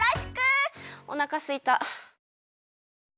おなかすいた。